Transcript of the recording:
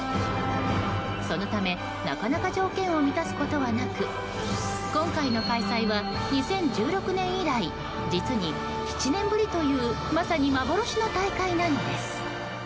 そのため、なかなか条件を満たすことはなく今回の開催は２０１６年以来実に７年ぶりというまさに幻の大会なのです。